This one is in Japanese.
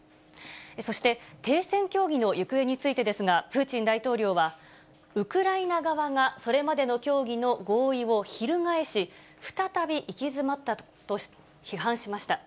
そして、停戦協議の行方についてですが、プーチン大統領は、ウクライナ側がそれまでの協議の合意を翻し、再び行き詰ったと批判しました。